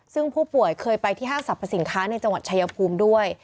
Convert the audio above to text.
ซึ่งผู้ป่วยเคยไปที่ห้างสรรพสินค้าในจังหวัดชายภูมิด้วย